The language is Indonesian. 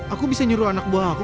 aku bisa nyuruh anak buah aku